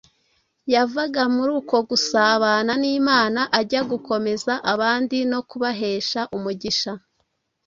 Yavaga muri uko gusabana n’Imana ajya gukomeza abandi no kubahesha umugisha.